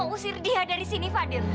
mama mau usir dia dari sini fadil